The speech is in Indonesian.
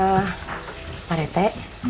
eh pak rete